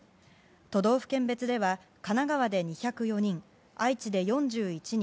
都道府県別では神奈川で２０４人、愛知で４１人